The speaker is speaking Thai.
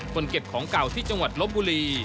เก็บของเก่าที่จังหวัดลบบุรี